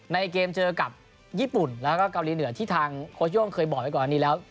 ในเกมเจอกับญี่ปุ่นแล้วก็เกาหลีเหนือที่ทางโค้ชโย่งเคยบอกไว้ก่อนอันนี้แล้ว